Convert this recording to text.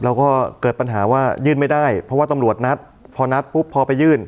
เราก็เกิดปัญหาว่ายื่นไม่ได้เพราะว่าตำรวจนัดพอนัดปุ๊บพอไปยื่น